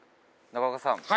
中岡さん